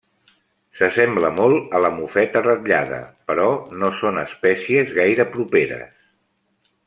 S'assembla molt a la mofeta ratllada, però no són espècies gaire properes.